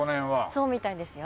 そうみたいですよ。